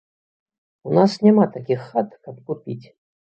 У нас няма такіх хат, каб купіць.